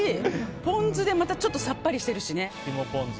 ポン酢でまたちょっとさっぱりしてるしね。